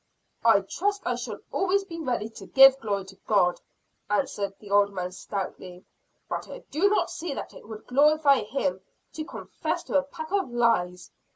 "I trust I shall always be ready to give glory to God," answered the old man stoutly; "but I do not see that it would glorify Him to confess to a pack of lies.